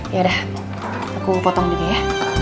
yaudah aku potong juga ya